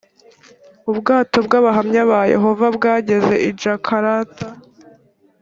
ubwato bw abahamya ba yehova bwageze i jakarta